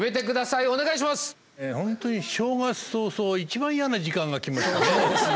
本当に正月早々一番嫌な時間が来ました。